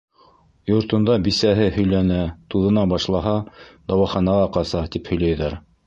Йортонда бисәһе һөйләнә, туҙына башлаһа, дауаханаға ҡаса, тип һөйләйҙәр.